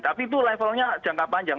tapi itu levelnya jangka panjang